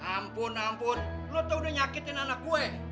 ampun ampun lo tau udah nyakitin anak gue